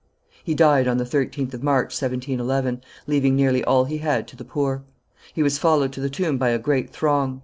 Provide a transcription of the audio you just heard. He died on the 13th of March, 1711, leaving nearly all he had to the poor. He was followed to the tomb by a great throng.